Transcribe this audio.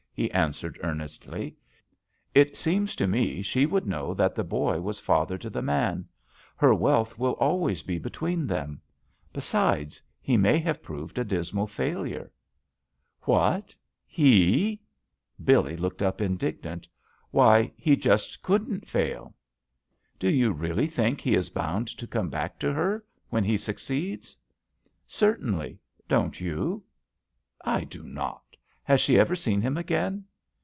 he answered earnestly. "It seems to me she would know that the boy was father to the man. Her wealth will always be between them. Besides he may have proved a dismal failure." JUST SWEETHEARTS "WhatI He?" BiUec looked up indignant "Why, he just couldn't fail I" "Do you really think he is bound to come back to her — when he succeeds." "Certainly I Don't you?" "I do not I Has she ever seen him again?"